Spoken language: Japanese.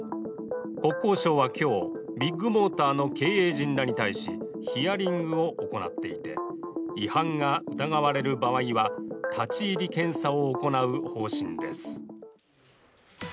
国交省は今日、ビッグモーターの経営陣らに対しヒアリングを行っていて違反が疑われる場合は立入検査を行う方針です。